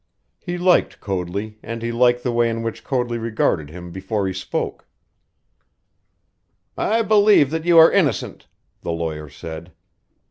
He liked Coadley, and he liked the way in which Coadley regarded him before he spoke. "I believe that you are innocent," the lawyer said.